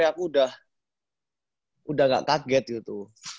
aku udah gak kaget gitu